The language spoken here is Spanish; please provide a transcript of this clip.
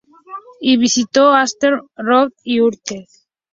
Y visitó Ámsterdam, Róterdam y Utrecht.